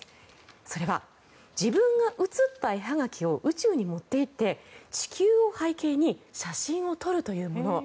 それは自分が写った絵はがきを宇宙に持って行って地球を背景に写真を撮るというもの。